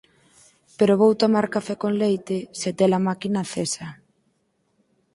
Pero vou tomar café con leite se te-la máquina acesa.